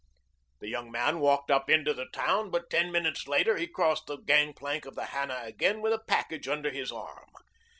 The young man walked up into the town, but ten minutes later he crossed the gangplank of the Hannah again with a package under his arm.